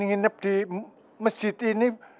nginap di masjid ini